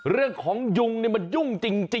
เรื่องของยุงนี่มันยุ่งจริง